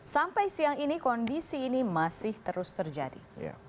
sampai siang ini kondisi ini masih terus terjadi